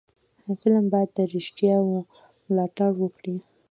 فلم باید د رښتیاو ملاتړ وکړي